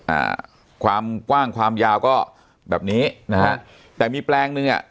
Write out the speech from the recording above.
อ่าความกว้างความยาวก็แบบนี้นะฮะแต่มีแปลงหนึ่งอ่ะ